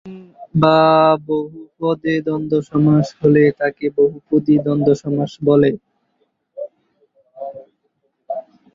তিন বা বহু পদে দ্বন্দ্ব সমাস হলে তাকে বহুপদী দ্বন্দ্ব সমাস বলে।